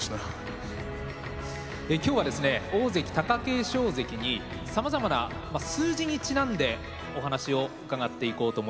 今日はですね大関貴景勝関にさまざまな数字にちなんでお話を伺っていこうと思います。